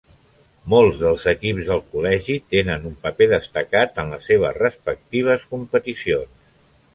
Molts dels equips del Col·legi tenen un paper destacat en les seves respectives competicions.